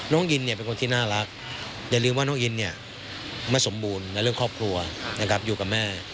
น้องอินเนี่ยเป็นคนที่น่ารักอย่าลืมว่าน้องอินเนี่ยไม่สมบูรณ์ในเรื่องครอบครัวนะครับอยู่กับแม่